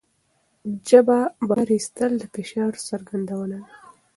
ژبه بهر ایستل د فشار څرګندونه ده.